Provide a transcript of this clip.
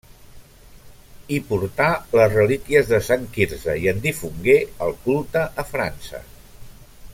Hi portà les relíquies de Sant Quirze i en difongué el culte a França.